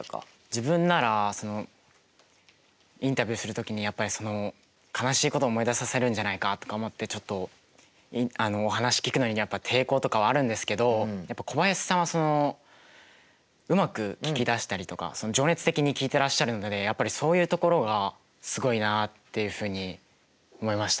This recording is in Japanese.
自分ならインタビューする時にやっぱりその悲しいことを思い出させるんじゃないかとか思ってちょっとお話聞くのにやっぱ抵抗とかはあるんですけど小林さんはうまく聞き出したりとか情熱的に聞いていらっしゃるのでやっぱりそういうところがすごいなっていうふうに思いました。